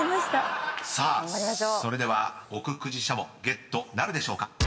［さあそれでは奥久慈しゃもゲットなるでしょうか？］